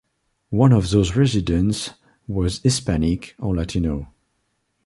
One of those residents was Hispanic or Latino.